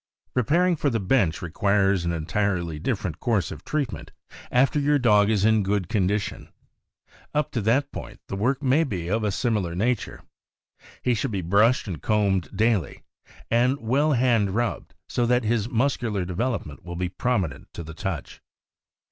Preparing for the bench requires an entirely diiferent course of treatment after your dog is in good condition. Up to that point the work may be of a similar nature. He should be brushed and combed daily, and well hand rubbed, so that his muscular development will be promi nent to the touch.